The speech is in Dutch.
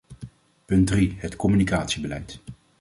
Punt drie: het communicatiebeleid.